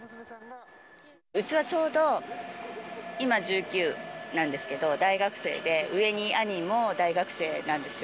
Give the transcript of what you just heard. うちはちょうど今、１９なんですけど、大学生で、上に兄も大学生なんですよ。